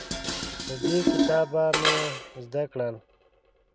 له دې کتابه مې زده کړل